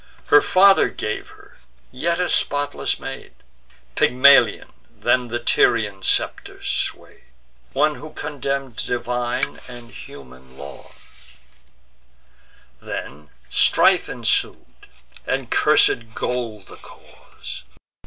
Her father gave her, yet a spotless maid; Pygmalion then the Tyrian scepter sway'd: One who condemn'd divine and human laws. Then strife ensued, and cursed gold the cause.